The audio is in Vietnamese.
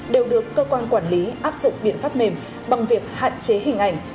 đều được cơ quan quản lý áp dụng biện pháp mềm bằng việc hạn chế hình ảnh